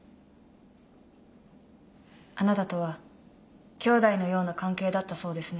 あなたとはきょうだいのような関係だったそうですね。